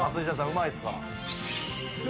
うまいっすか？